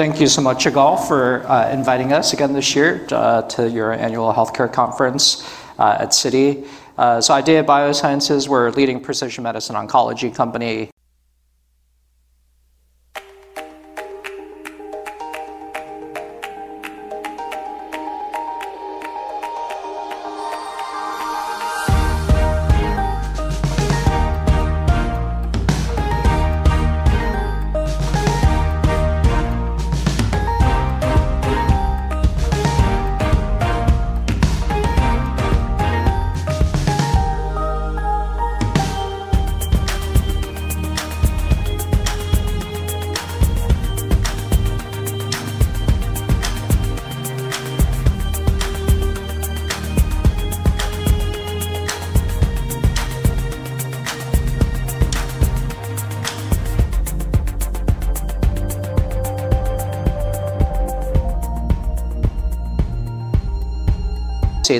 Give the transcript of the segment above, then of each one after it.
Thank you so much, you all, for inviting us again this year to your annual healthcare conference at Citi. IDEA Biosciences, we're a leading precision medicine oncology company.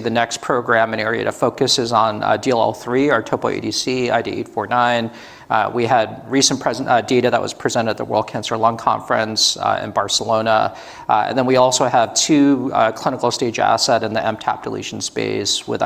The next program and area of focus is on DLL3, our topo ADC, ID849. We had recent data that was presented at the World Cancer Lung Conference in Barcelona. We also have two clinical stage assets in the MTAP deletion space with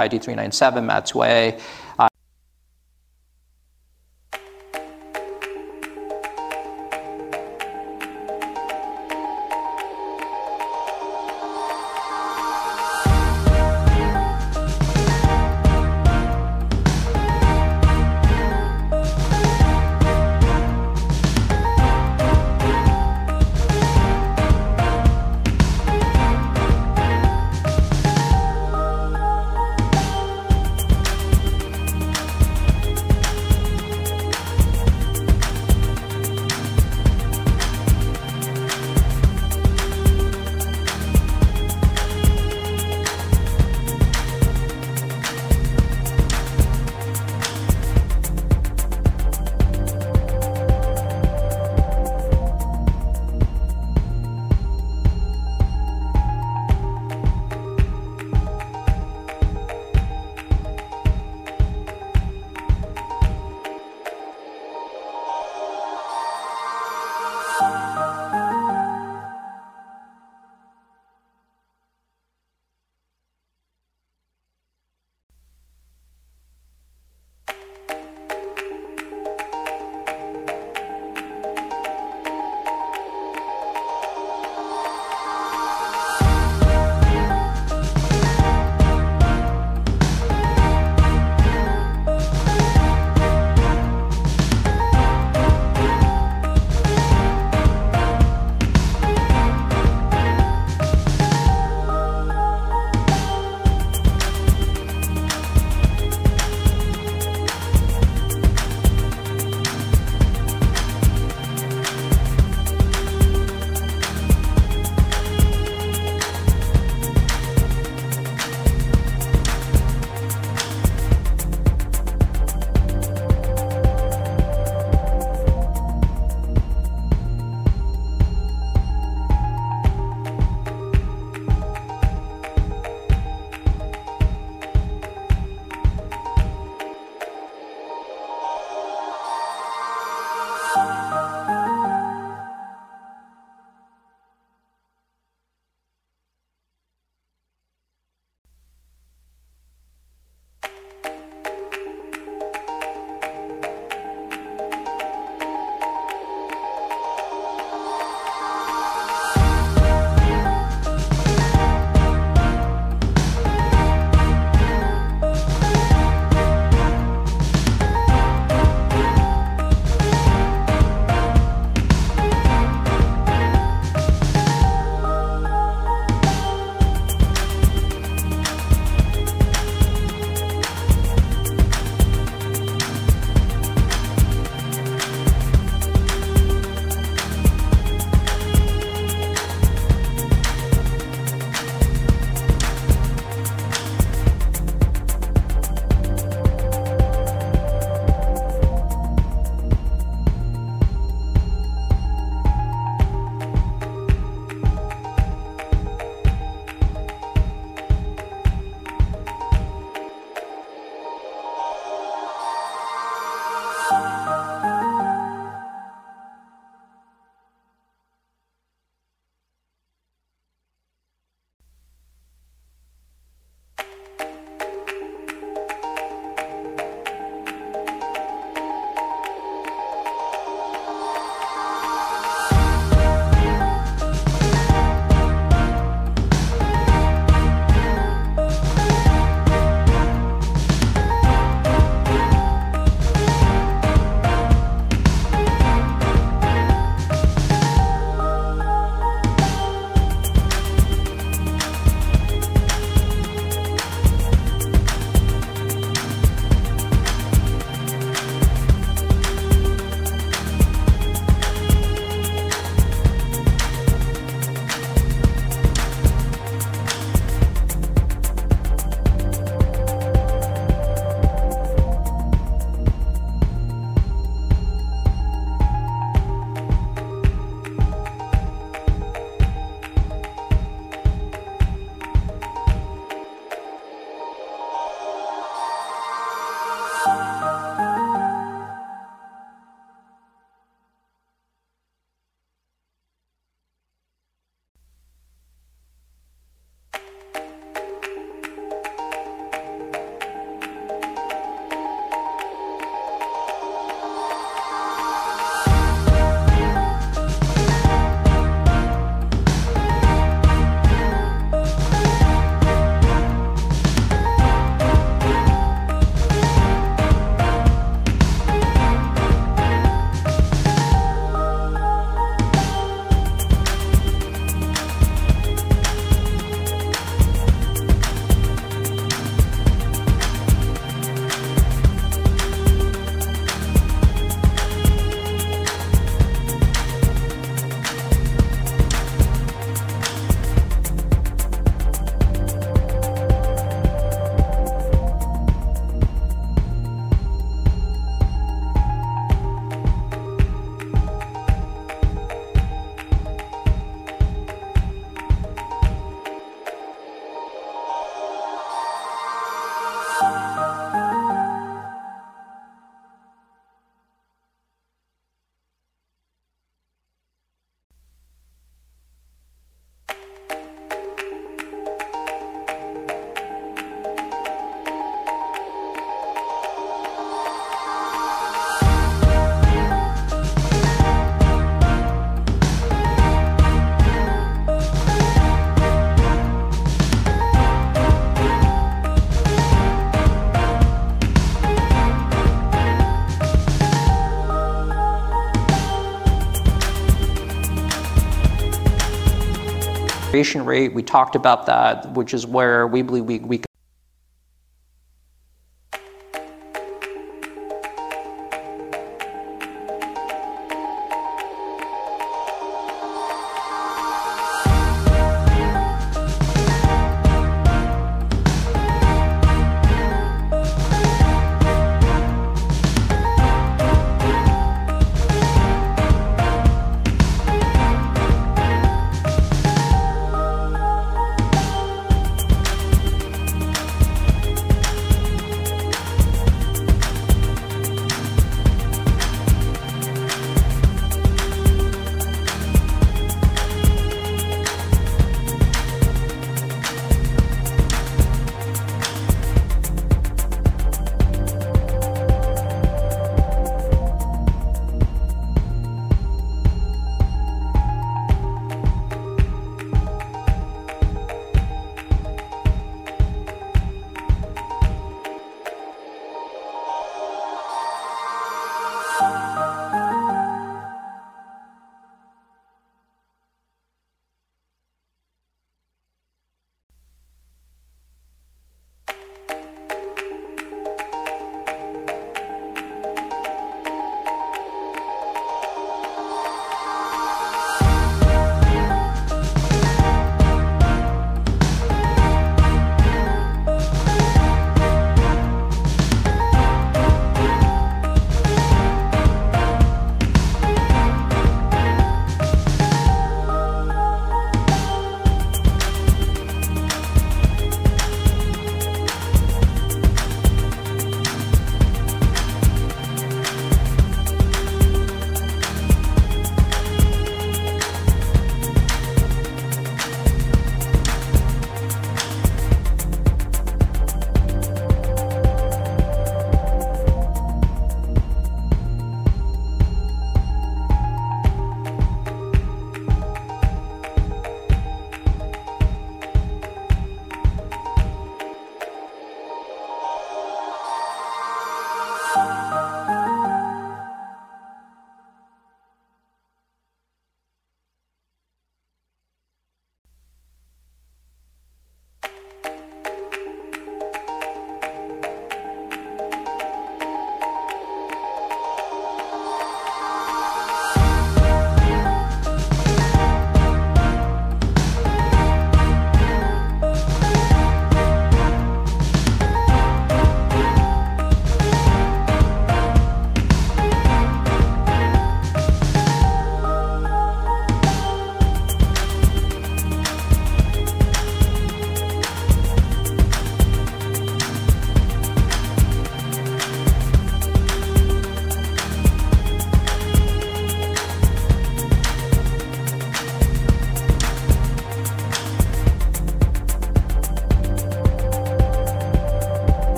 ID397, MAT2A. Ratio, we talked about that, which is where we believe we...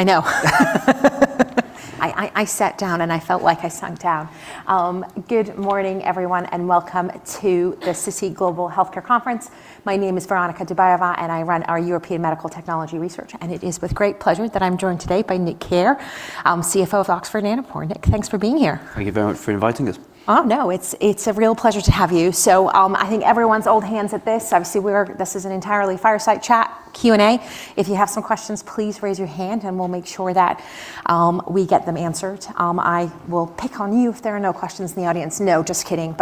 I know. I sat down and I felt like I sunk down. Good morning, everyone, and welcome to the CC Global Healthcare Conference. My name is Veronika Dubajova and I run our European Medical Technology Research. It is with great pleasure that I'm joined today by Nick Keher, CFO of Oxford Nanopore. Nick, thanks for being here. Thank you very much for inviting us. Oh, no, it's a real pleasure to have you. I think everyone's old hands at this. Obviously, this is an entirely fireside chat, Q&A. If you have some questions, please raise your hand and we'll make sure that we get them answered. I will pick on you if there are no questions in the audience. No, just kidding.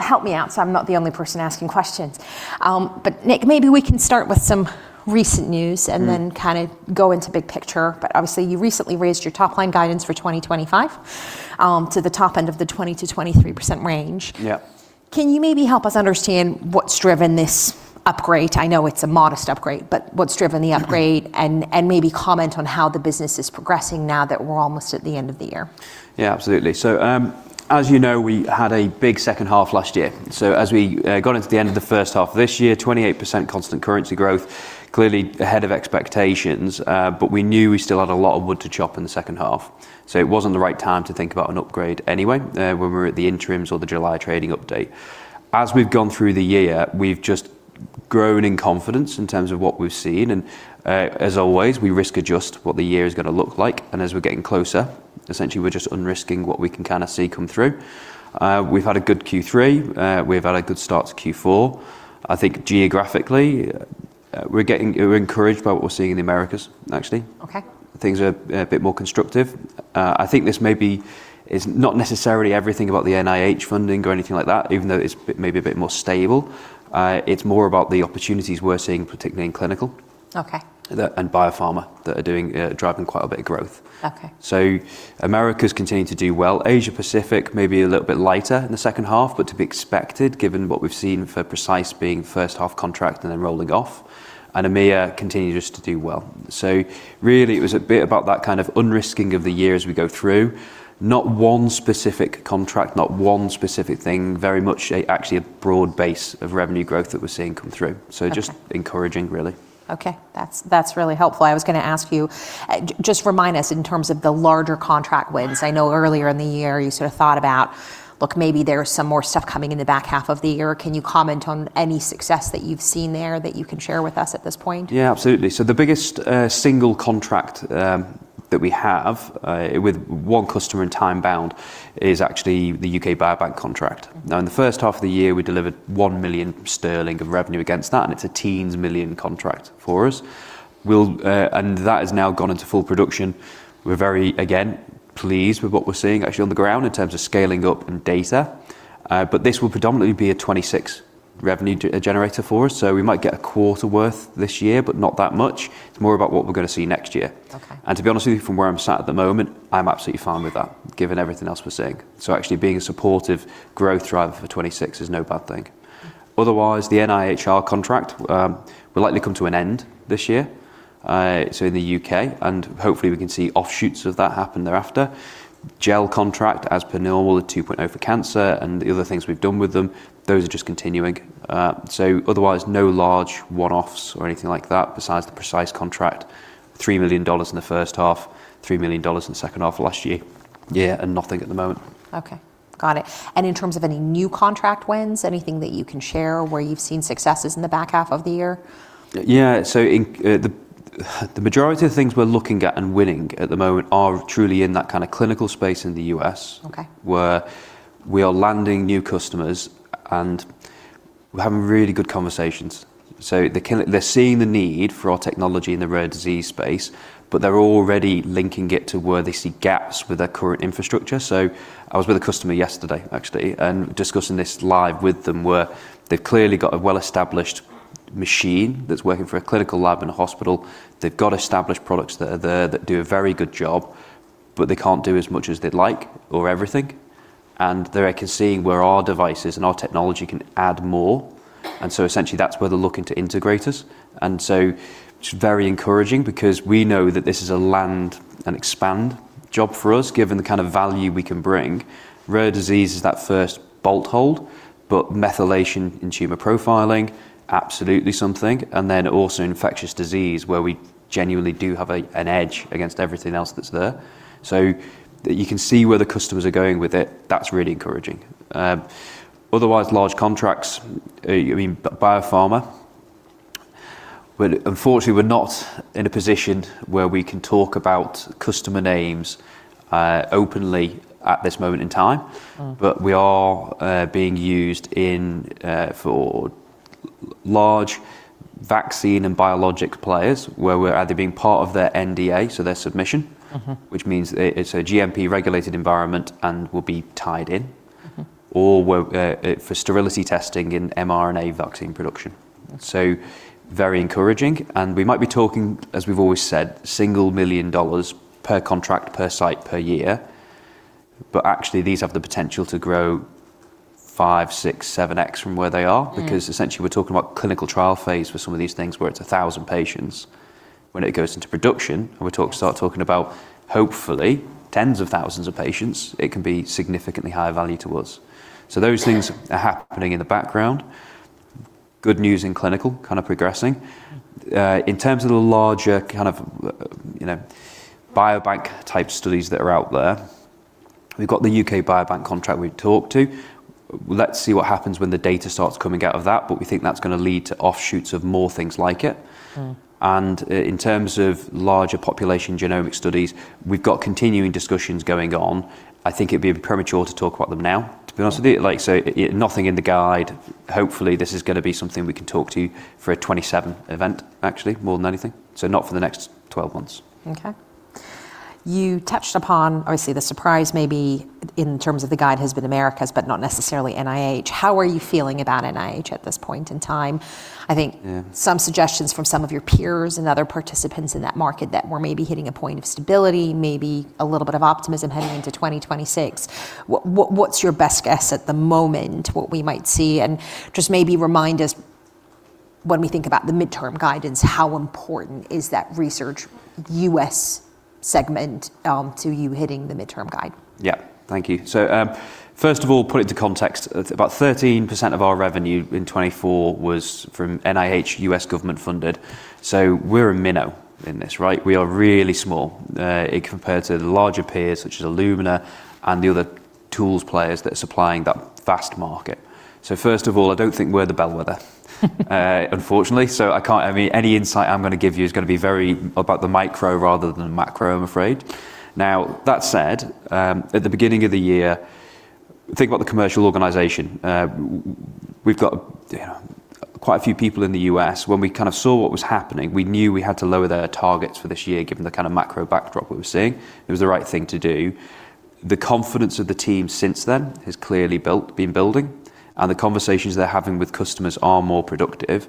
Help me out so I'm not the only person asking questions. Nick, maybe we can start with some recent news and then kind of go into big picture. Obviously, you recently raised your top line guidance for 2025 to the top end of the 20-23% range. Yeah. Can you maybe help us understand what's driven this upgrade? I know it's a modest upgrade, but what's driven the upgrade and maybe comment on how the business is progressing now that we're almost at the end of the year? Yeah, absolutely. As you know, we had a big second half last year. As we got into the end of the first half of this year, 28% constant currency growth, clearly ahead of expectations. We knew we still had a lot of wood to chop in the second half. It wasn't the right time to think about an upgrade anyway when we were at the interims or the July trading update. As we've gone through the year, we've just grown in confidence in terms of what we've seen. As always, we risk adjust what the year is going to look like. As we're getting closer, essentially, we're just unrisking what we can kind of see come through. We've had a good Q3. We've had a good start to Q4. I think geographically, we're getting encouraged by what we're seeing in the Americas, actually. Things are a bit more constructive. I think this maybe is not necessarily everything about the NIH funding or anything like that, even though it's maybe a bit more stable. It's more about the opportunities we're seeing, particularly in clinical and biopharma that are driving quite a bit of growth. America's continuing to do well. Asia Pacific, maybe a little bit lighter in the second half, but to be expected given what we've seen for PRECISE being first half contract and then rolling off, and EMEA continues just to do well. It was a bit about that kind of unrisking of the year as we go through. Not one specific contract, not one specific thing, very much actually a broad base of revenue growth that we're seeing come through. Just encouraging, really. Okay, that's really helpful. I was going to ask you, just remind us in terms of the larger contract wins. I know earlier in the year you sort of thought about, look, maybe there's some more stuff coming in the back half of the year. Can you comment on any success that you've seen there that you can share with us at this point? Yeah, absolutely. The biggest single contract that we have with one customer in time bound is actually the UK Biobank contract. Now, in the first half of the year, we delivered 1 million sterling of revenue against that, and it's a teens million contract for us. That has now gone into full production. We're very, again, pleased with what we're seeing actually on the ground in terms of scaling up and data. This will predominantly be a 2026 revenue generator for us. We might get a quarter worth this year, but not that much. It's more about what we're going to see next year. To be honest with you, from where I'm sat at the moment, I'm absolutely fine with that, given everything else we're seeing. Actually being a supportive growth driver for 2026 is no bad thing. Otherwise, the NIHR contract will likely come to an end this year. In the U.K., and hopefully we can see offshoots of that happen thereafter. Gel contract, as per normal, the 2.0 for cancer and the other things we've done with them, those are just continuing. Otherwise, no large one-offs or anything like that besides the Precise contract, $3 million in the first half, $3 million in the second half of last year. Yeah, and nothing at the moment. Okay, got it. In terms of any new contract wins, anything that you can share where you've seen successes in the back half of the year? Yeah, the majority of the things we're looking at and winning at the moment are truly in that kind of clinical space in the US where we are landing new customers and we're having really good conversations. They're seeing the need for our technology in the rare disease space, but they're already linking it to where they see gaps with their current infrastructure. I was with a customer yesterday, actually, and discussing this live with them where they've clearly got a well-established machine that's working for a clinical lab in a hospital. They've got established products that are there that do a very good job, but they can't do as much as they'd like or everything. They're seeing where our devices and our technology can add more. Essentially that's where they're looking to integrate us. It's very encouraging because we know that this is a land and expand job for us given the kind of value we can bring. Rare disease is that first bolt hold, but methylation in tumor profiling, absolutely something. Also infectious disease where we genuinely do have an edge against everything else that's there. You can see where the customers are going with it, that's really encouraging. Otherwise, large contracts, I mean, biopharma, but unfortunately we're not in a position where we can talk about customer names openly at this moment in time. We are being used for large vaccine and biologic players where we're either being part of their NDA, so their submission, which means it's a GMP regulated environment and will be tied in, or for sterility testing in mRNA vaccine production. Very encouraging. We might be talking, as we've always said, single million dollars per contract, per site per year. Actually these have the potential to grow five, six, seven X from where they are because essentially we're talking about clinical trial phase for some of these things where it's 1,000 patients when it goes into production. We start talking about hopefully tens of thousands of patients, it can be significantly higher value to us. Those things are happening in the background. Good news in clinical kind of progressing. In terms of the larger kind of biobank type studies that are out there, we've got the U.K. Biobank contract we've talked to. Let's see what happens when the data starts coming out of that, but we think that's going to lead to offshoots of more things like it. In terms of larger population genomic studies, we've got continuing discussions going on. I think it'd be premature to talk about them now, to be honest with you. Nothing in the guide. Hopefully this is going to be something we can talk to for a 2027 event, actually, more than anything. Not for the next 12 months. You touched upon, obviously, the surprise maybe in terms of the guide has been Americas, but not necessarily NIH. How are you feeling about NIH at this point in time? I think some suggestions from some of your peers and other participants in that market that we're maybe hitting a point of stability, maybe a little bit of optimism heading into 2026. What's your best guess at the moment, what we might see? Just maybe remind us when we think about the midterm guidance, how important is that research U.S. segment to you hitting the midterm guide? Yeah, thank you. First of all, put it into context. About 13% of our revenue in 2024 was from NIH, U.S. government funded. We're a minnow in this, right? We are really small compared to the larger peers, such as Illumina and the other tools players that are supplying that vast market. First of all, I don't think we're the bellwether, unfortunately. I can't have any insight I'm going to give you is going to be very about the micro rather than the macro, I'm afraid. That said, at the beginning of the year, think about the commercial organization. We've got quite a few people in the U.S. When we kind of saw what was happening, we knew we had to lower their targets for this year given the kind of macro backdrop we were seeing. It was the right thing to do. The confidence of the team since then has clearly been building. The conversations they're having with customers are more productive.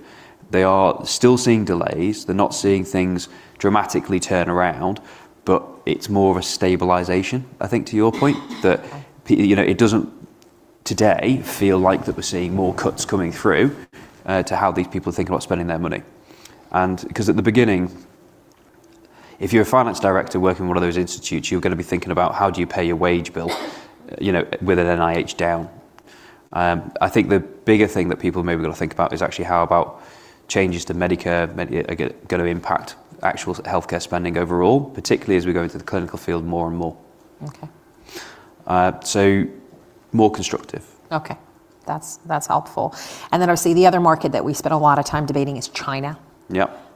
They are still seeing delays. They're not seeing things dramatically turn around, but it's more of a stabilization, I think, to your point, that it doesn't today feel like that we're seeing more cuts coming through to how these people think about spending their money. Because at the beginning, if you're a finance director working in one of those institutes, you're going to be thinking about how do you pay your wage bill with an NIH down. I think the bigger thing that people maybe are going to think about is actually how about changes to Medicare are going to impact actual healthcare spending overall, particularly as we go into the clinical field more and more. More constructive. Okay, that's helpful. I see the other market that we spent a lot of time debating is China.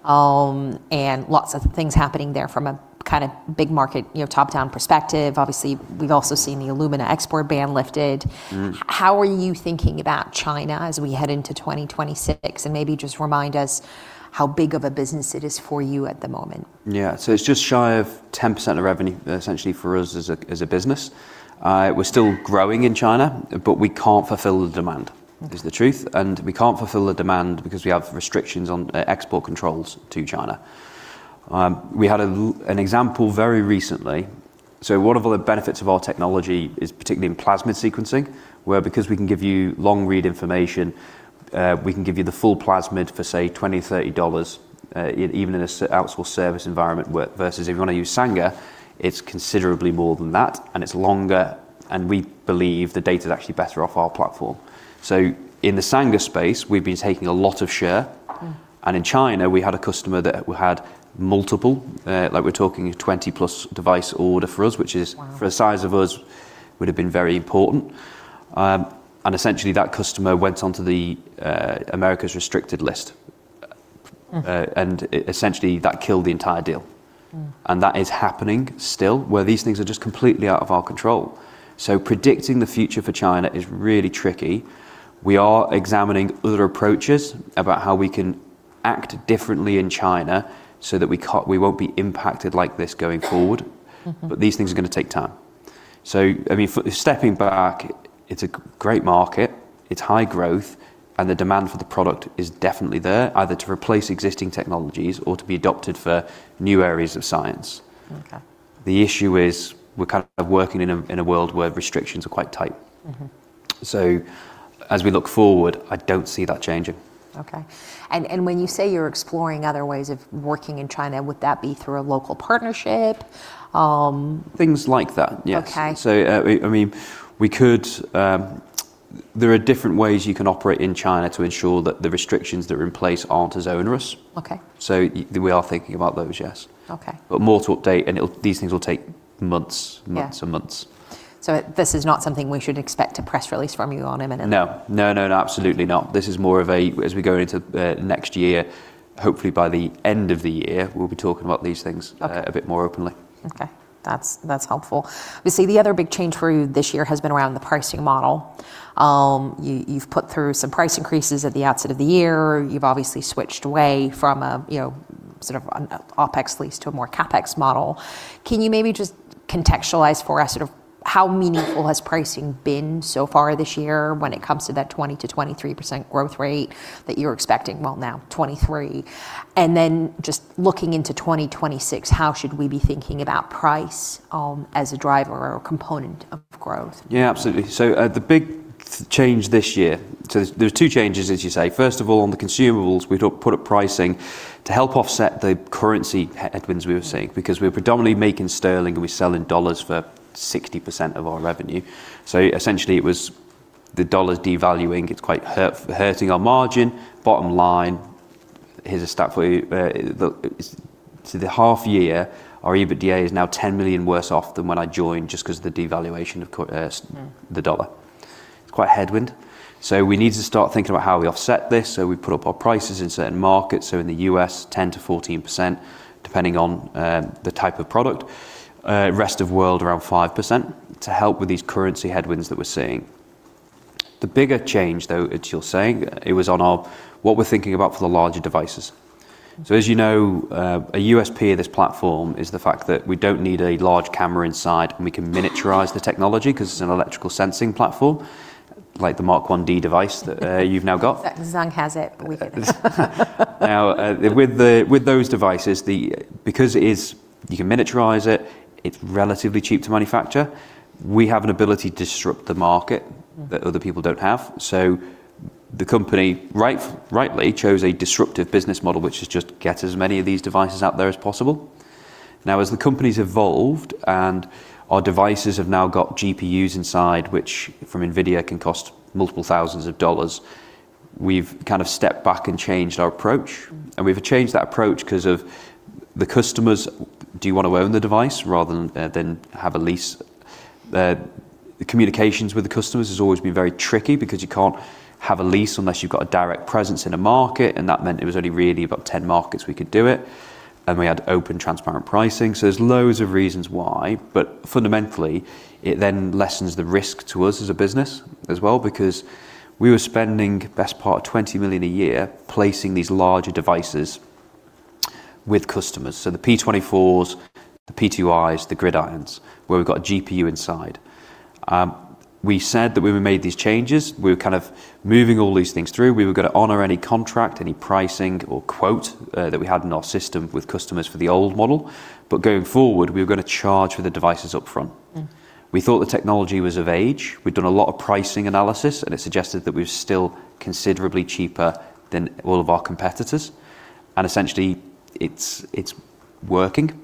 Yeah. Lots of things happening there from a kind of big market, top-down perspective. Obviously, we've also seen the Illumina export ban lifted. How are you thinking about China as we head into 2026? Maybe just remind us how big of a business it is for you at the moment. Yeah, so it's just shy of 10% of revenue essentially for us as a business. We're still growing in China, but we can't fulfill the demand is the truth. We can't fulfill the demand because we have restrictions on export controls to China. We had an example very recently. One of the benefits of our technology is particularly in plasmid sequencing, where because we can give you long-read information, we can give you the full plasmid for say $20, $30 even in an outsource service environment versus if you want to use Sanger, it's considerably more than that and it's longer. We believe the data is actually better off our platform. In the Sanger space, we've been taking a lot of share. In China, we had a customer that had multiple, like we are talking 20-plus device order for us, which is, for the size of us, would have been very important. Essentially, that customer went onto America's restricted list. Essentially, that killed the entire deal. That is happening still where these things are just completely out of our control. Predicting the future for China is really tricky. We are examining other approaches about how we can act differently in China so that we will not be impacted like this going forward. These things are going to take time. I mean, stepping back, it is a great market. It is high growth. The demand for the product is definitely there, either to replace existing technologies or to be adopted for new areas of science. The issue is we're kind of working in a world where restrictions are quite tight. As we look forward, I don't see that changing. Okay. When you say you're exploring other ways of working in China, would that be through a local partnership? Things like that, yes. I mean, there are different ways you can operate in China to ensure that the restrictions that are in place aren't as onerous. We are thinking about those, yes. More to update, and these things will take months and months. This is not something we should expect a press release from you on a minute. No, no, no, no, absolutely not. This is more of a, as we go into next year, hopefully by the end of the year, we'll be talking about these things a bit more openly. Okay, that's helpful. We see the other big change for you this year has been around the pricing model. You've put through some price increases at the outset of the year. You've obviously switched away from a sort of an OPEX lease to a more CAPEX model. Can you maybe just contextualize for us sort of how meaningful has pricing been so far this year when it comes to that 20-23% growth rate that you're expecting? Now 23%. And then just looking into 2026, how should we be thinking about price as a driver or component of growth? Yeah, absolutely. The big change this year, there are two changes, as you say. First of all, on the consumables, we put up pricing to help offset the currency headwinds we were seeing because we were predominantly making sterling and we're selling dollars for 60% of our revenue. Essentially it was the dollars devaluing. It's quite hurting our margin. Bottom line, here's a stat for you. For the half year, our EBITDA is now $10 million worse off than when I joined just because of the devaluation of the dollar. It's quite a headwind. We need to start thinking about how we offset this. We put up our prices in certain markets. In the US, 10-14%, depending on the type of product. Rest of world around 5% to help with these currency headwinds that we're seeing. The bigger change, though, as you're saying, it was on what we're thinking about for the larger devices. As you know, a USP of this platform is the fact that we do not need a large camera inside and we can miniaturize the technology because it is an electrical sensing platform, like the Mark 1D device that you have now got. Zhang has it, but we get this. Now, with those devices, because you can miniaturize it, it is relatively cheap to manufacture. We have an ability to disrupt the market that other people do not have. The company rightly chose a disruptive business model, which is just get as many of these devices out there as possible. Now, as the company has evolved and our devices have now got GPUs inside, which from NVIDIA can cost multiple thousands of dollars, we have kind of stepped back and changed our approach. We have changed that approach because the customers do want to own the device rather than have a lease. The communications with the customers has always been very tricky because you can't have a lease unless you've got a direct presence in a market. That meant it was only really about 10 markets we could do it. We had open transparent pricing. There are loads of reasons why. Fundamentally, it then lessens the risk to us as a business as well because we were spending best part of 20 million a year placing these larger devices with customers. The P24s, the P2is, the GridIONs, where we've got a GPU inside. We said that when we made these changes, we were kind of moving all these things through. We were going to honor any contract, any pricing or quote that we had in our system with customers for the old model. Going forward, we were going to charge for the devices upfront. We thought the technology was of age. We've done a lot of pricing analysis, and it suggested that we were still considerably cheaper than all of our competitors. It's working.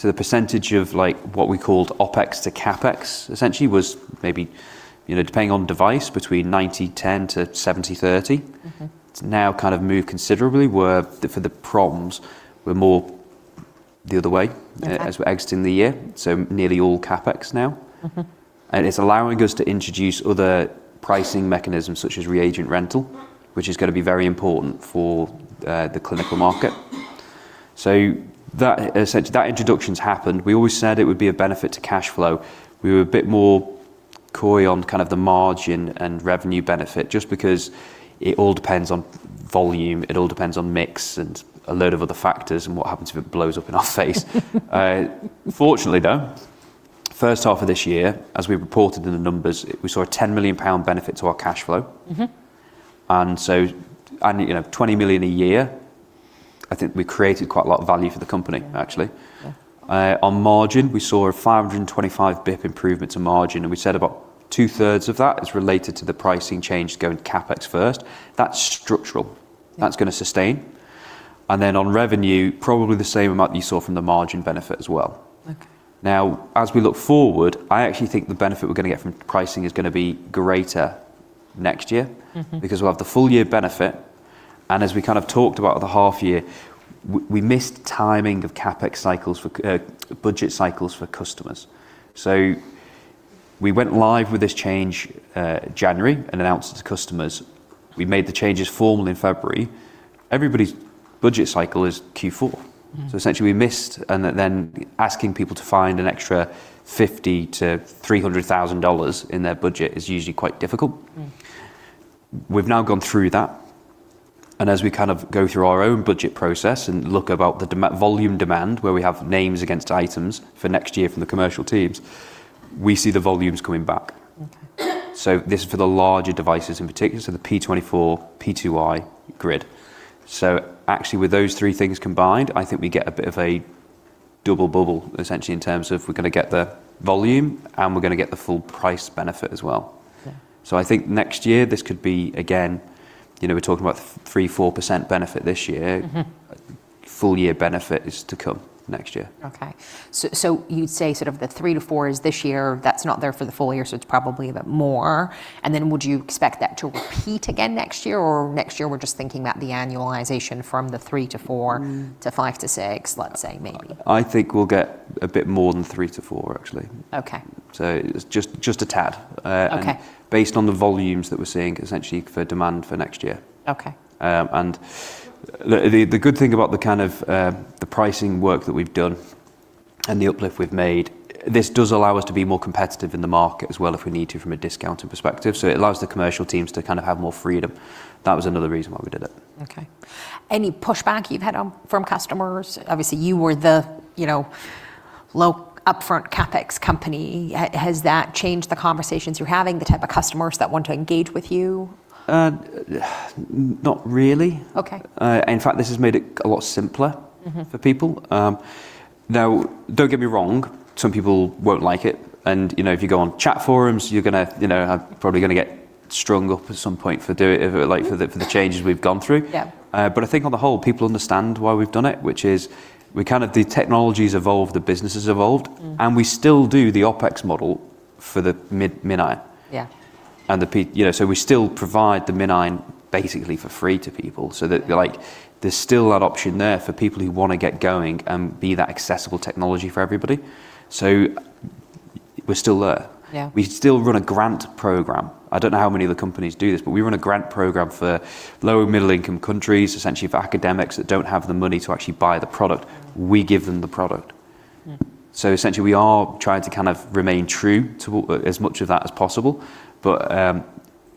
The percentage of what we called OpEx to CapEx essentially was maybe depending on device between 90-10 to 70-30. It's now kind of moved considerably where for the proms, we're more the other way as we're exiting the year. Nearly all CapEx now. It's allowing us to introduce other pricing mechanisms such as reagent rental, which is going to be very important for the clinical market. That introduction has happened. We always said it would be a benefit to cash flow. We were a bit more coy on the margin and revenue benefit just because it all depends on volume. It all depends on mix and a load of other factors and what happens if it blows up in our face. Fortunately, though, first half of this year, as we reported in the numbers, we saw a 10 million pound benefit to our cash flow. And so 20 million a year, I think we created quite a lot of value for the company, actually. On margin, we saw a 525 basis point improvement to margin. And we said about two thirds of that is related to the pricing change going to CapEx first. That's structural. That's going to sustain. And then on revenue, probably the same amount that you saw from the margin benefit as well. Now, as we look forward, I actually think the benefit we're going to get from pricing is going to be greater next year because we'll have the full year benefit. As we kind of talked about the half year, we missed timing of CapEx cycles for budget cycles for customers. We went live with this change in January and announced to customers. We made the changes formally in February. Everybody's budget cycle is Q4. Essentially, we missed. Asking people to find an extra $50,000-$300,000 in their budget is usually quite difficult. We've now gone through that. As we kind of go through our own budget process and look about the volume demand, where we have names against items for next year from the commercial teams, we see the volumes coming back. This is for the larger devices in particular, so the P24, P2i, GridION. Actually, with those three things combined, I think we get a bit of a double bubble essentially in terms of we're going to get the volume and we're going to get the full price benefit as well. I think next year, this could be again, we're talking about 3-4% benefit this year. Full year benefit is to come next year. Okay. You'd say sort of the 3-4% is this year. That's not there for the full year, so it's probably a bit more. Would you expect that to repeat again next year or next year we're just thinking about the annualization from the 3-4% to 5-6%, let's say maybe? I think we'll get a bit more than 3-4%, actually. Just a tad based on the volumes that we're seeing essentially for demand for next year. The good thing about the kind of the pricing work that we've done and the uplift we've made, this does allow us to be more competitive in the market as well if we need to from a discounting perspective. It allows the commercial teams to kind of have more freedom. That was another reason why we did it. Okay. Any pushback you've had from customers? Obviously, you were the upfront CapEx company. Has that changed the conversations you're having, the type of customers that want to engage with you? Not really. In fact, this has made it a lot simpler for people. Now, don't get me wrong, some people won't like it. If you go on chat forums, you're going to probably get strung up at some point for doing it for the changes we've gone through. I think on the whole, people understand why we've done it, which is we kind of the technology has evolved, the business has evolved, and we still do the OpEx model for the MinION. We still provide the MinION basically for free to people. There's still that option there for people who want to get going and be that accessible technology for everybody. We're still there. We still run a grant program. I don't know how many of the companies do this, but we run a grant program for low and middle-income countries, essentially for academics that don't have the money to actually buy the product. We give them the product. Essentially, we are trying to kind of remain true to as much of that as possible.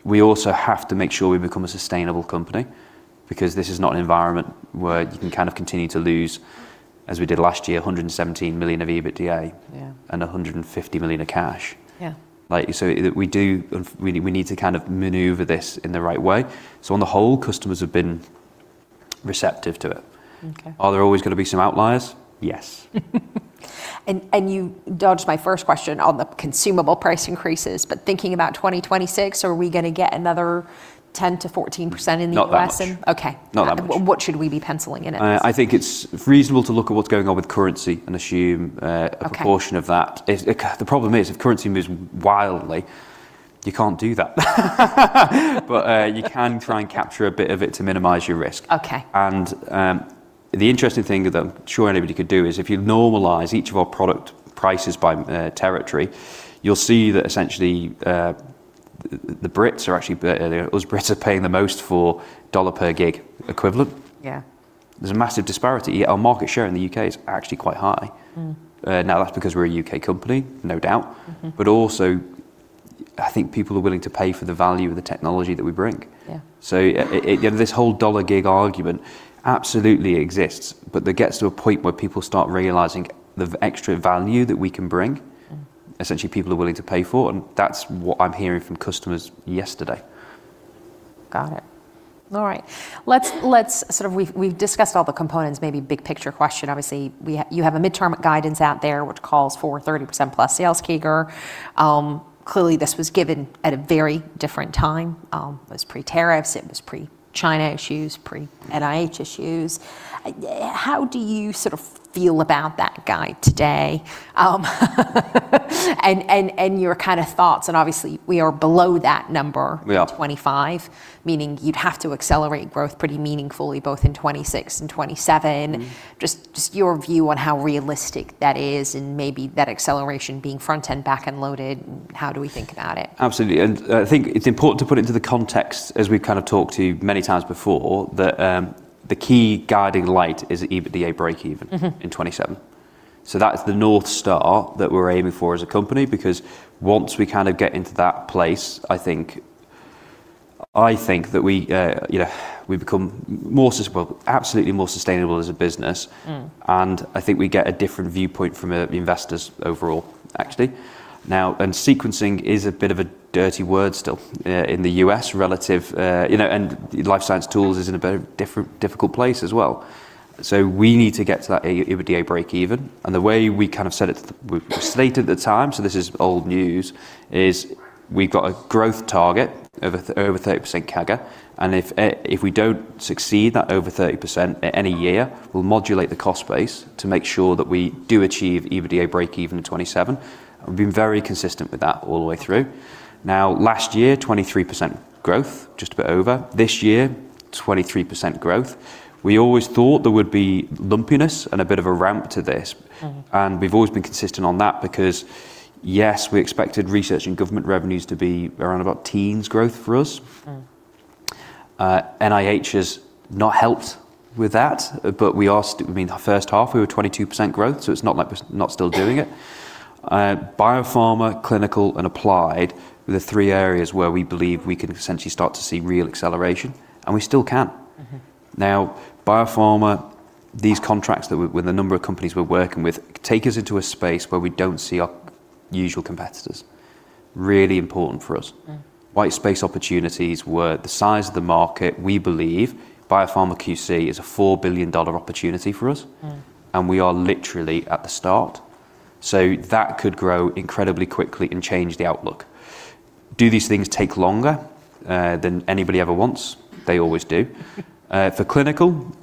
We also have to make sure we become a sustainable company because this is not an environment where you can kind of continue to lose, as we did last year, 117 million of EBITDA and 150 million of cash. We need to kind of maneuver this in the right way. On the whole, customers have been receptive to it. Are there always going to be some outliers? Yes. You dodged my first question on the consumable price increases, but thinking about 2026, are we going to get another 10-14% in the U.S.? Not that much. What should we be penciling in at least? I think it is reasonable to look at what is going on with currency and assume a portion of that. The problem is if currency moves wildly, you can't do that. You can try and capture a bit of it to minimize your risk. The interesting thing that I'm sure anybody could do is if you normalize each of our product prices by territory, you'll see that essentially the Brits are actually, U.S. Brits are paying the most for dollar per gig equivalent. There's a massive disparity. Our market share in the U.K. is actually quite high. That is because we're a U.K. company, no doubt. I think people are willing to pay for the value of the technology that we bring. This whole dollar gig argument absolutely exists. It gets to a point where people start realizing the extra value that we can bring, essentially people are willing to pay for. That is what I'm hearing from customers yesterday. Got it. All right. Let's sort of we've discussed all the components, maybe big picture question. Obviously, you have a midterm guidance out there, which calls for 30%+ sales CAGR. Clearly, this was given at a very different time. It was pre-tariffs. It was pre-China issues, pre-NIH issues. How do you sort of feel about that guide today? Your kind of thoughts? Obviously, we are below that number, 25, meaning you'd have to accelerate growth pretty meaningfully both in 2026 and 2027. Just your view on how realistic that is and maybe that acceleration being front and back end loaded, how do we think about it? Absolutely. I think it's important to put into the context as we've kind of talked to many times before that the key guiding light is EBITDA break even in 2027. That's the north star that we're aiming for as a company because once we kind of get into that place, I think that we become more sustainable, absolutely more sustainable as a business. I think we get a different viewpoint from investors overall, actually. Now, sequencing is a bit of a dirty word still in the U.S. relative, and life science tools is in a bit of a difficult place as well. We need to get to that EBITDA break even. The way we kind of set it, we stated at the time, so this is old news, is we've got a growth target of over 30% CAGR. If we do not succeed that over 30% in any year, we'll modulate the cost base to make sure that we do achieve EBITDA break even in 2027. We've been very consistent with that all the way through. Now, last year, 23% growth, just a bit over. This year, 23% growth. We always thought there would be lumpiness and a bit of a ramp to this. We've always been consistent on that because, yes, we expected research and government revenues to be around about teens growth for us. NIH has not helped with that, but I mean, first half, we were 22% growth, so it's not like we're not still doing it. Biopharma, clinical, and applied were the three areas where we believe we can essentially start to see real acceleration. We still can. Now, biopharma, these contracts with the number of companies we're working with take us into a space where we don't see our usual competitors. Really important for us. White space opportunities were the size of the market. We believe biopharma QC is a $4 billion opportunity for us. We are literally at the start. That could grow incredibly quickly and change the outlook. Do these things take longer than anybody ever wants? They always do. For clinical,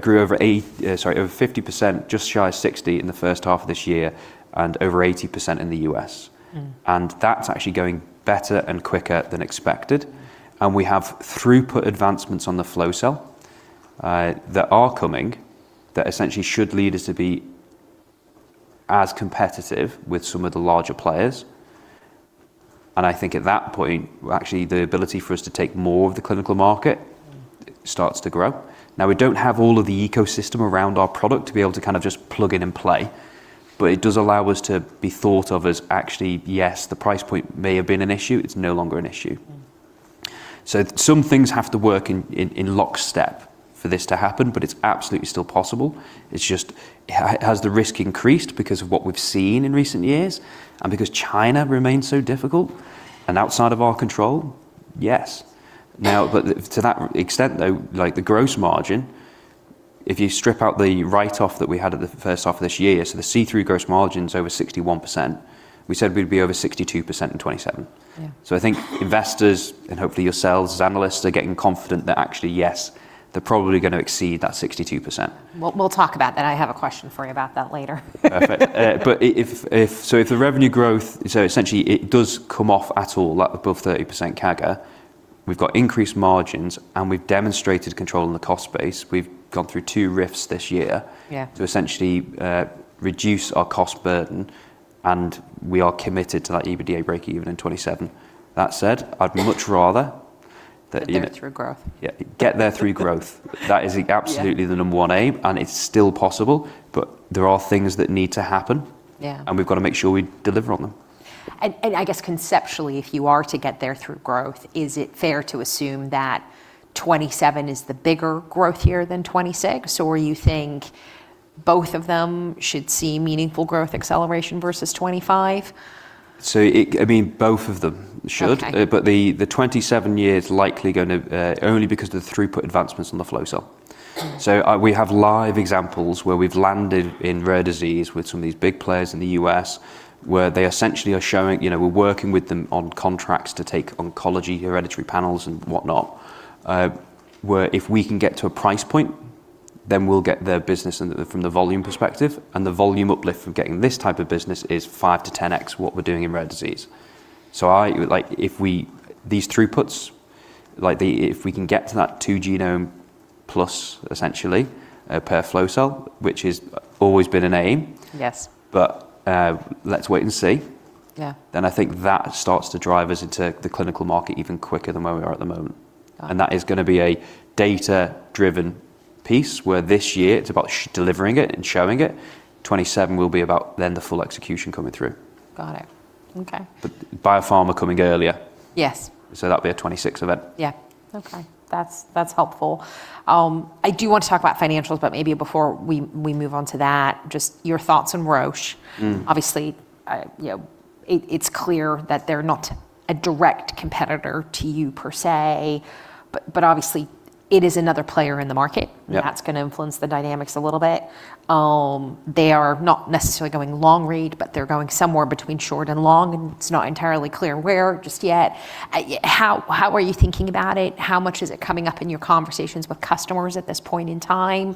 grew over 50%, just shy of 60% in the first half of this year, and over 80% in the US. That is actually going better and quicker than expected. We have throughput advancements on the flow cell that are coming that essentially should lead us to be as competitive with some of the larger players. I think at that point, actually, the ability for us to take more of the clinical market starts to grow. Now, we do not have all of the ecosystem around our product to be able to kind of just plug in and play. It does allow us to be thought of as actually, yes, the price point may have been an issue. It's no longer an issue. Some things have to work in lockstep for this to happen, but it's absolutely still possible. It just has the risk increased because of what we've seen in recent years and because China remains so difficult and outside of our control, yes. Now, to that extent, though, the gross margin, if you strip out the write-off that we had at the first half of this year, the see-through gross margin is over 61%. We said we'd be over 62% in 2027. I think investors and hopefully yourselves as analysts are getting confident that actually, yes, they're probably going to exceed that 62%. We'll talk about that. I have a question for you about that later. Perfect. If the revenue growth, so essentially it does come off at all above 30% CAGR, we've got increased margins and we've demonstrated control in the cost base. We've gone through two rifts this year to essentially reduce our cost burden. We are committed to that EBITDA break even in 2027. That said, I'd much rather that you get there through growth. That is absolutely the number one aim. It's still possible, but there are things that need to happen. We've got to make sure we deliver on them. I guess conceptually, if you are to get there through growth, is it fair to assume that 2027 is the bigger growth year than 2026? Or you think both of them should see meaningful growth acceleration versus 2025? I mean, both of them should. The 2027 year is likely going to only because of the throughput advancements on the flow cell. We have live examples where we've landed in rare disease with some of these big players in the U.S. where they essentially are showing we're working with them on contracts to take oncology hereditary panels and whatnot. If we can get to a price point, then we'll get their business from the volume perspective. The volume uplift from getting this type of business is 5-10x what we're doing in rare disease. If we these throughputs, if we can get to that two genome plus essentially per flow cell, which has always been an aim, but let's wait and see. I think that starts to drive us into the clinical market even quicker than where we are at the moment. That is going to be a data-driven piece where this year it's about delivering it and showing it. 2027 will be about then the full execution coming through. Got it. Okay. Biopharma coming earlier. Yes. That will be a 2026 event. Yeah. Okay. That's helpful. I do want to talk about financials, but maybe before we move on to that, just your thoughts on Roche. Obviously, it's clear that they're not a direct competitor to you per se, but obviously it is another player in the market. That's going to influence the dynamics a little bit. They are not necessarily going long read, but they're going somewhere between short and long. And it's not entirely clear where just yet. How are you thinking about it? How much is it coming up in your conversations with customers at this point in time?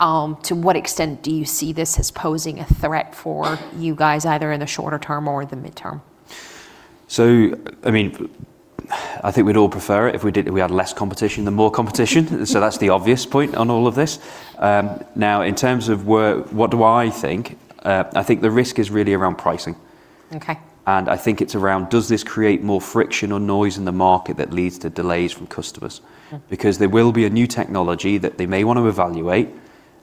To what extent do you see this as posing a threat for you guys either in the shorter term or the midterm? I mean, I think we'd all prefer it if we had less competition than more competition. That is the obvious point on all of this. Now, in terms of what do I think, I think the risk is really around pricing. I think it is around does this create more friction or noise in the market that leads to delays from customers? There will be a new technology that they may want to evaluate,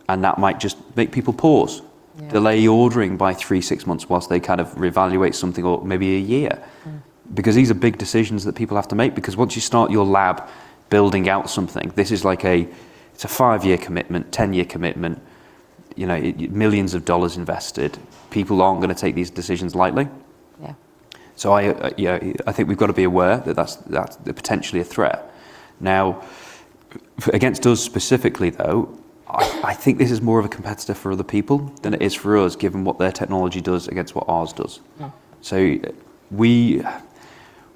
and that might just make people pause, delay ordering by three, six months whilst they kind of reevaluate something or maybe a year. These are big decisions that people have to make. Because once you start your lab building out something, this is like a it's a five-year commitment, 10-year commitment, millions of dollars invested. People aren't going to take these decisions lightly. I think we've got to be aware that that's potentially a threat. Now, against us specifically, though, I think this is more of a competitor for other people than it is for us, given what their technology does against what ours does.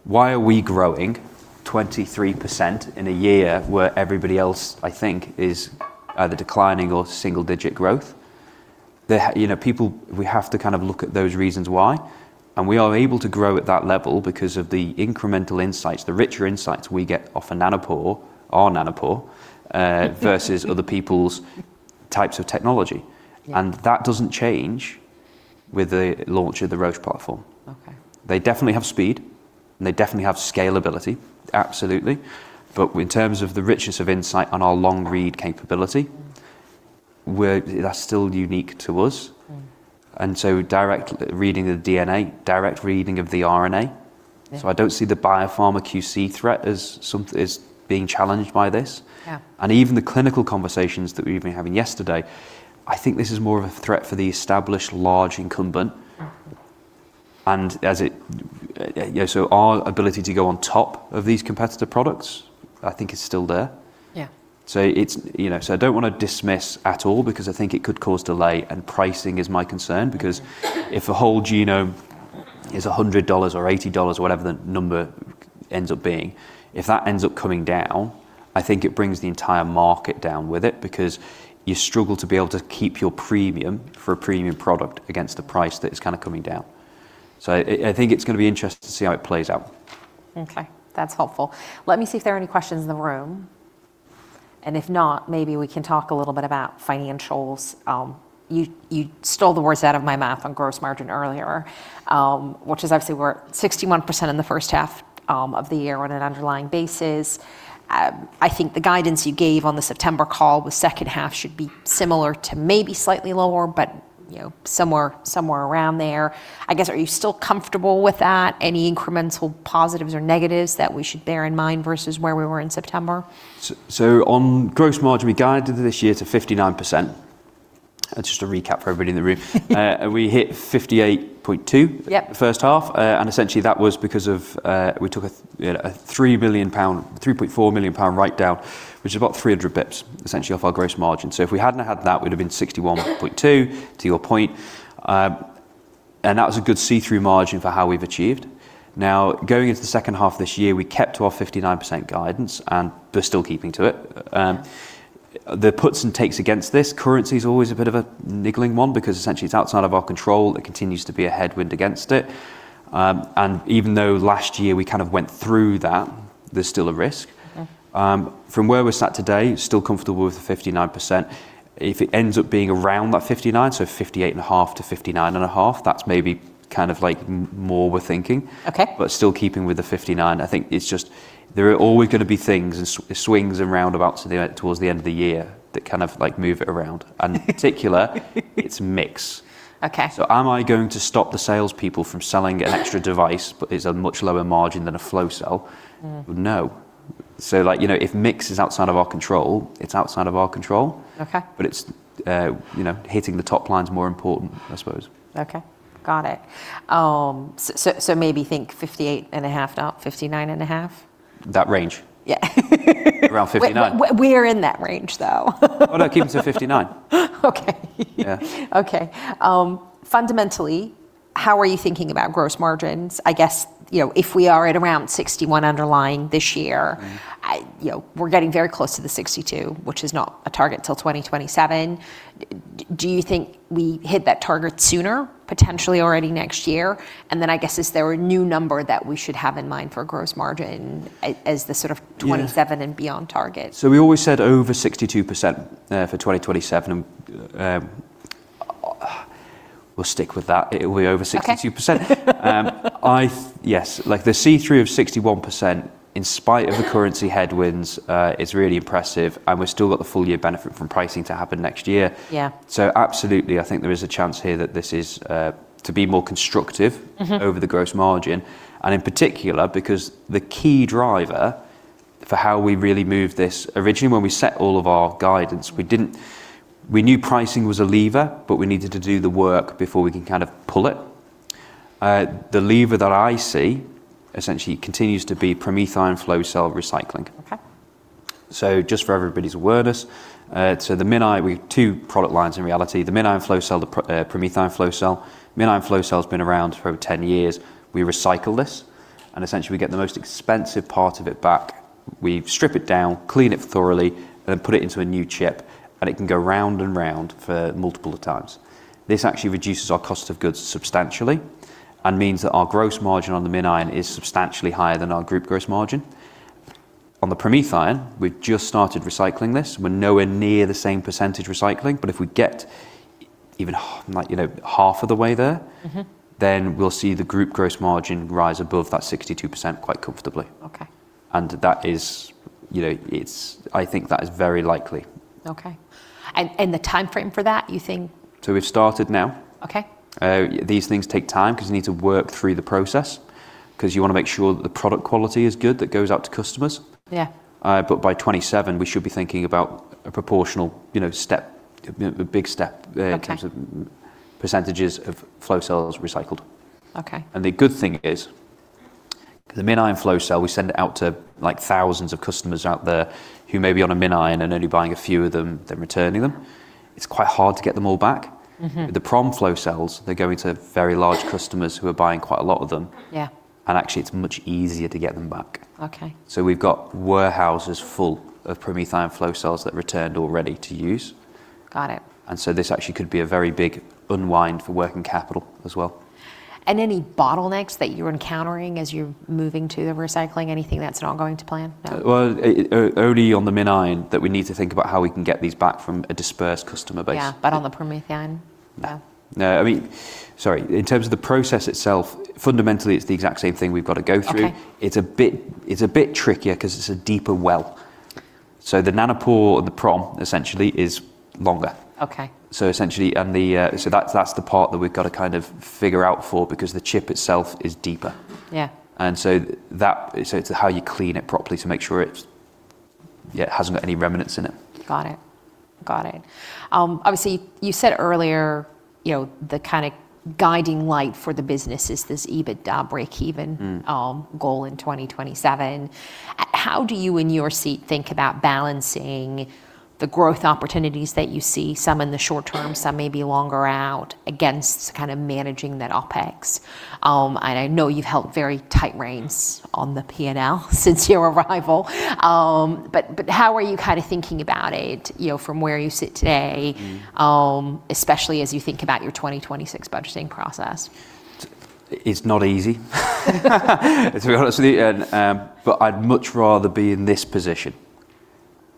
Why are we growing 23% in a year where everybody else, I think, is either declining or single-digit growth? People, we have to kind of look at those reasons why. We are able to grow at that level because of the incremental insights, the richer insights we get off of Nanopore, our Nanopore, versus other people's types of technology. That doesn't change with the launch of the Roche platform. They definitely have speed. They definitely have scalability. Absolutely. In terms of the richness of insight on our long-read capability, that's still unique to us. Direct reading of the DNA, direct reading of the RNA. I don't see the biopharma QC threat as being challenged by this. Even the clinical conversations that we've been having yesterday, I think this is more of a threat for the established large incumbent. Our ability to go on top of these competitor products, I think it's still there. I don't want to dismiss at all because I think it could cause delay. Pricing is my concern because if a whole genome is $100 or $80 or whatever the number ends up being, if that ends up coming down, I think it brings the entire market down with it because you struggle to be able to keep your premium for a premium product against the price that is kind of coming down. I think it is going to be interesting to see how it plays out. Okay. That is helpful. Let me see if there are any questions in the room. If not, maybe we can talk a little bit about financials. You stole the words out of my mouth on gross margin earlier, which is obviously we are 61% in the first half of the year on an underlying basis. I think the guidance you gave on the September call was second half should be similar to maybe slightly lower, but somewhere around there. I guess, are you still comfortable with that? Any incremental positives or negatives that we should bear in mind versus where we were in September? On gross margin, we guided this year to 59%. Just a recap for everybody in the room. We hit 58.2% the first half. Essentially, that was because we took a 3.4 million pound write-down, which is about 300 basis points off our gross margin. If we had not had that, we would have been at 61.2% to your point. That was a good see-through margin for how we have achieved. Now, going into the second half of this year, we kept to our 59% guidance and we are still keeping to it. The puts and takes against this, currency is always a bit of a niggling one because essentially it's outside of our control. It continues to be a headwind against it. Even though last year we kind of went through that, there's still a risk. From where we're sat today, still comfortable with the 59%. If it ends up being around that 59%, so 58.5%-59.5%, that's maybe kind of like more we're thinking. Still keeping with the 59%, I think it's just there are always going to be things and swings and roundabouts towards the end of the year that kind of move it around. In particular, it's mix. Am I going to stop the salespeople from selling an extra device that is a much lower margin than a flow cell? No. If mix is outside of our control, it's outside of our control. Hitting the top line is more important, I suppose. Okay. Got it. Maybe think 58.5-59.5? That range. Yeah. Around 59. We're in that range, though. I'll keep it to 59. Okay. Fundamentally, how are you thinking about gross margins? I guess if we are at around 61 underlying this year, we're getting very close to the 62, which is not a target until 2027. Do you think we hit that target sooner, potentially already next year? I guess is there a new number that we should have in mind for gross margin as the sort of 2027 and beyond target? We always said over 62% for 2027. We'll stick with that. It will be over 62%. Yes. The see-through of 61% in spite of the currency headwinds is really impressive. We have still got the full year benefit from pricing to happen next year. Absolutely, I think there is a chance here that this is to be more constructive over the gross margin. In particular, because the key driver for how we really moved this originally when we set all of our guidance, we knew pricing was a lever, but we needed to do the work before we can kind of pull it. The lever that I see essentially continues to be PromethION Flow Cell recycling. Just for everybody's awareness, we have two product lines in reality. The MinION and Flow Cell, the PromethION Flow Cell. MinION and Flow Cell has been around for 10 years. We recycle this. Essentially, we get the most expensive part of it back. We strip it down, clean it thoroughly, and then put it into a new chip. It can go round and round for multiple times. This actually reduces our cost of goods substantially and means that our gross margin on the MinION is substantially higher than our group gross margin. On the PromethION, we've just started recycling this. We're nowhere near the same percentage recycling. If we get even half of the way there, then we'll see the group gross margin rise above that 62% quite comfortably. That is, I think that is very likely. Okay. The timeframe for that, you think? We've started now. These things take time because you need to work through the process because you want to make sure that the product quality is good that goes out to customers. By 2027, we should be thinking about a proportional step, a big step in terms of % of flow cells recycled. The good thing is, the MinION Flow Cell, we send it out to thousands of customers out there who may be on a MinION and are only buying a few of them then returning them. It's quite hard to get them all back. The PromethION Flow Cells, they're going to very large customers who are buying quite a lot of them. Actually, it's much easier to get them back. We have warehouses full of PromethION Flow Cells that returned already to use. This actually could be a very big unwind for working capital as well. Any bottlenecks that you're encountering as you're moving to the recycling? Anything that's not going to plan? Only on the MinION that we need to think about how we can get these back from a dispersed customer base. Yeah. On the PromethION? No. Sorry. In terms of the process itself, fundamentally, it's the exact same thing we've got to go through. It's a bit trickier because it's a deeper well. The Nanopore or the Prom essentially is longer. Essentially, that's the part that we've got to kind of figure out for because the chip itself is deeper. It's how you clean it properly to make sure it hasn't got any remnants in it. Got it. Got it. Obviously, you said earlier the kind of guiding light for the business is this EBITDA break-even goal in 2027. How do you in your seat think about balancing the growth opportunities that you see, some in the short term, some maybe longer out against kind of managing that OpEx? I know you've held very tight reins on the P&L since your arrival. How are you kind of thinking about it from where you sit today, especially as you think about your 2026 budgeting process? It's not easy, to be honest with you. I'd much rather be in this position.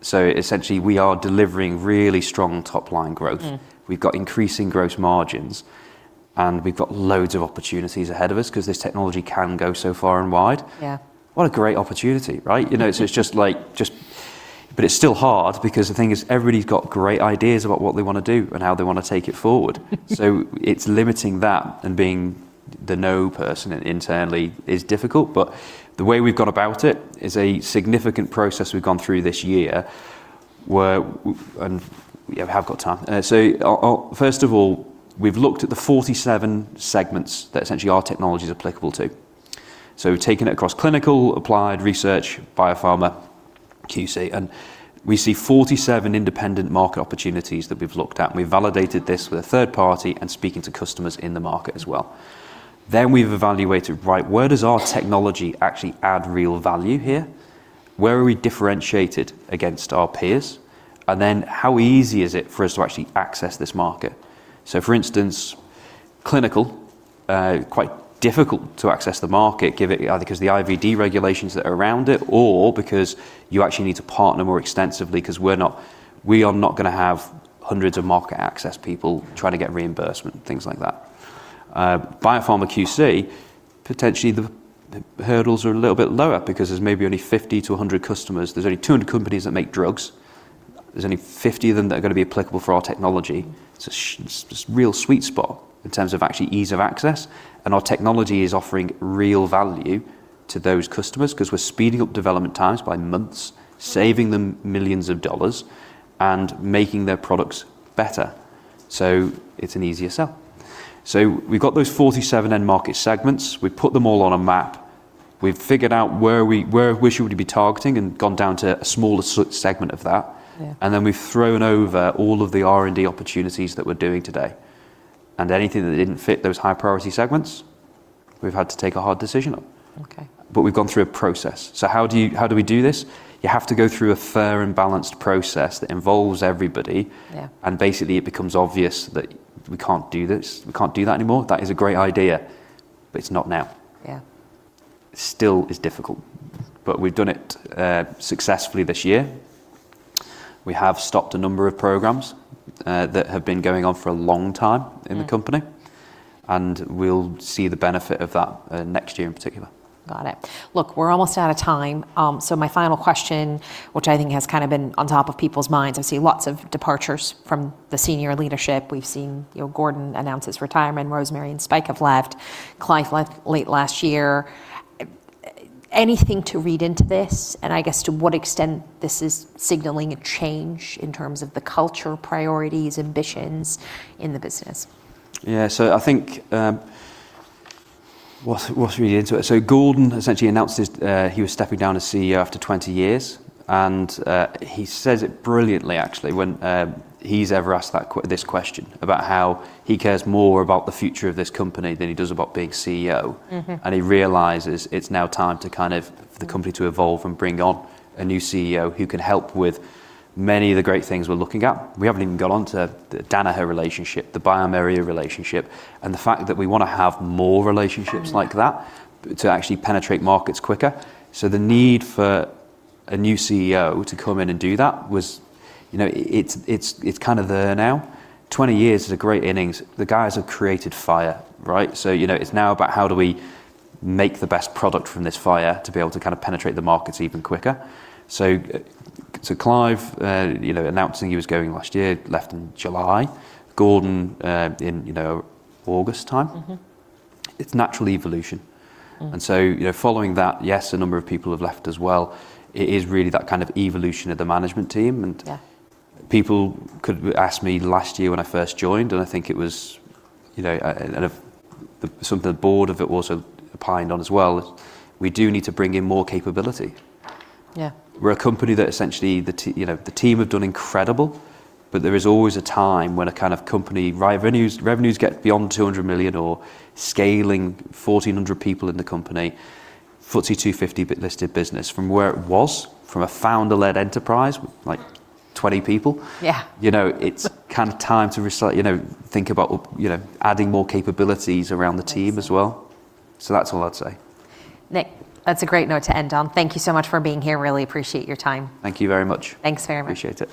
Essentially, we are delivering really strong top-line growth. We've got increasing gross margins. We've got loads of opportunities ahead of us because this technology can go so far and wide. What a great opportunity, right? It's just like, it's still hard because the thing is everybody's got great ideas about what they want to do and how they want to take it forward. It's limiting that and being the no person internally is difficult. The way we've gone about it is a significant process we've gone through this year where I've got time. First of all, we've looked at the 47 segments that essentially our technology is applicable to. We've taken it across clinical, applied, research, biopharma, QC. We see 47 independent market opportunities that we've looked at. We've validated this with a third party and speaking to customers in the market as well. We've evaluated, right, where does our technology actually add real value here? Where are we differentiated against our peers? How easy is it for us to actually access this market? For instance, clinical, quite difficult to access the market, either because of the IVD regulations that are around it or because you actually need to partner more extensively because we are not going to have hundreds of market access people trying to get reimbursement, things like that. Biopharma QC, potentially the hurdles are a little bit lower because there's maybe only 50-100 customers. There's only 200 companies that make drugs. There's only 50 of them that are going to be applicable for our technology. It's a real sweet spot in terms of actually ease of access. And our technology is offering real value to those customers because we're speeding up development times by months, saving them millions of dollars and making their products better. It's an easier sell. We've got those 47 end market segments. We've put them all on a map. We've figured out where we should be targeting and gone down to a smaller segment of that. Then we've thrown over all of the R&D opportunities that we're doing today. Anything that didn't fit those high-priority segments, we've had to take a hard decision on. We've gone through a process. How do we do this? You have to go through a fair and balanced process that involves everybody. Basically, it becomes obvious that we can't do this. We can't do that anymore. That is a great idea, but it's not now. Still is difficult. We've done it successfully this year. We have stopped a number of programs that have been going on for a long time in the company. We'll see the benefit of that next year in particular. Got it. Look, we're almost out of time. My final question, which I think has kind of been on top of people's minds. I see lots of departures from the senior leadership. We've seen Gordon announce his retirement. Rosemary and Spike have left. Clyde left late last year. Anything to read into this? I guess to what extent this is signaling a change in terms of the culture, priorities, ambitions in the business? Yeah. I think what's really into it? Gordon essentially announced he was stepping down as CEO after 20 years. He says it brilliantly, actually, when he's ever asked this question about how he cares more about the future of this company than he does about being CEO. He realizes it's now time to kind of the company to evolve and bring on a new CEO who can help with many of the great things we're looking at. We have not even got on to the Danaher relationship, the bioMérieux relationship, and the fact that we want to have more relationships like that to actually penetrate markets quicker. The need for a new CEO to come in and do that is kind of there now. Twenty years is a great innings. The guys have created fire, right? It is now about how do we make the best product from this fire to be able to kind of penetrate the markets even quicker. Clyde announcing he was going last year, left in July. Gordon in August time. It is natural evolution. Following that, yes, a number of people have left as well. It is really that kind of evolution of the management team. People could ask me last year when I first joined, and I think it was something the board also opined on as well. We do need to bring in more capability. We are a company that essentially the team have done incredible. There is always a time when a kind of company revenues get beyond $200 million or scaling 1,400 people in the company, 42, 50-listed business from where it was, from a founder-led enterprise with like 20 people. It is kind of time to think about adding more capabilities around the team as well. That is all I would say. Nick, that is a great note to end on. Thank you so much for being here. Really appreciate your time. Thank you very much. Thanks very much. Appreciate it.